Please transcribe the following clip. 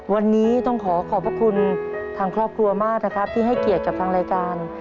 วันนี้ต้องขอขอบพระคุณทางครอบครัวมากนะครับที่ให้เกียรติกับทางรายการ